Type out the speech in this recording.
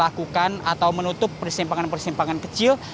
terlakukan atau menutup persimpanan persimpanan kecil